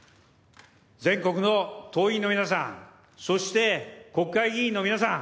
全国の党員の皆さんそして国会議員の皆さん